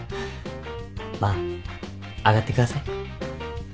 まあ上がってください。